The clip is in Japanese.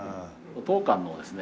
当館のですね